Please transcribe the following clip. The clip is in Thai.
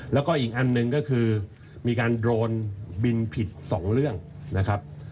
แล้วก็อีกอันหนึ่งก็คือมีการโดรนบินผิด๒เรื่องนะครับ